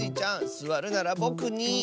すわるならぼくに。